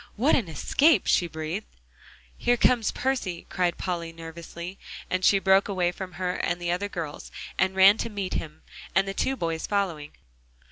"What an escape," she breathed. "Here comes Percy," cried Polly nervously, and she broke away from her and the other girls, and ran to meet him, and the two boys following.